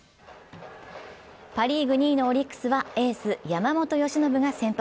パ・リーグ２位のオリックスはエース・山本由伸が先発。